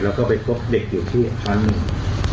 แล้วก็ไปพบเด็กอยู่ที่อาชารณ์